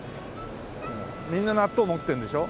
みんな納豆持ってるんでしょ？